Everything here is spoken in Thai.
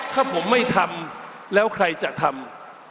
ถ้าผมไม่ทำแล้วใครจะทำ